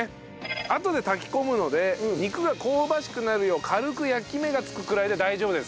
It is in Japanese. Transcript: あとで炊き込むので肉が香ばしくなるよう軽く焼き目がつくくらいで大丈夫です。